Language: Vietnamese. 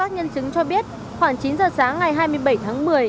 nhân chứng cho biết khoảng chín giờ sáng ngày hai mươi bảy tháng một mươi